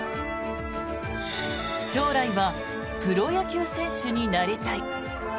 将来はプロ野球選手になりたい。